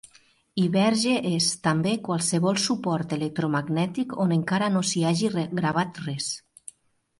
I verge és també qualsevol suport electromagnètic on encara no s'hi hagi gravat res.